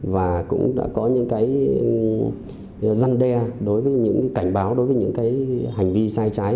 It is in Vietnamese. và cũng đã có những răn đe đối với những cảnh báo đối với những hành vi sai trái